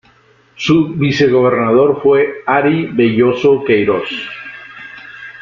Su vicegobernador fue Ary Velloso Queiroz.